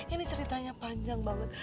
ini ceritanya panjang banget